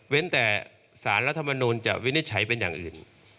แต่สารรัฐมนูลจะวินิจฉัยเป็นอย่างอื่น